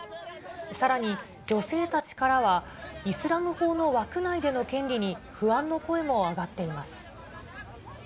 さらに女性たちからは、イスラム法の枠内での権利に不安の声も上がっています。